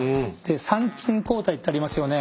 参勤交代ってありますよね。